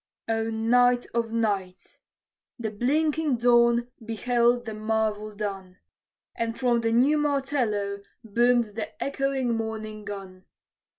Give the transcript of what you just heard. O night of nights! The blinking dawn beheld the marvel done, And from the new martello boomed the echoing morning gun.